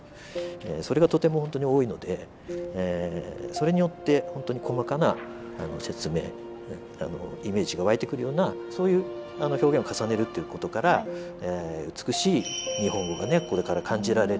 それがとてもほんとに多いのでそれによってほんとに細かな説明イメージが湧いてくるようなそういう表現を重ねるっていう事から美しい日本語がねこれから感じられる。